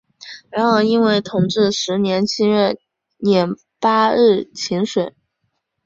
然而因为同治十年七月廿八日请水。